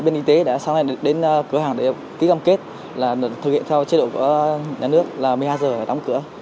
sáng nay thì có ở bên phố bên y tế đã đến cửa hàng để ký gom kết là thực hiện theo chế độ của nhà nước là một mươi hai h đóng cửa